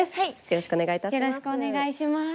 よろしくお願いします。